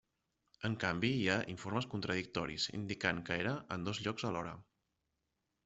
En canvi, hi ha informes contradictoris, indicant que era en dos llocs alhora.